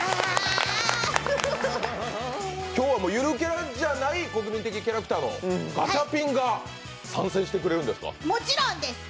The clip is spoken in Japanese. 今日はゆるキャラじゃない国民的キャラクターのガチャピンがもちろんです。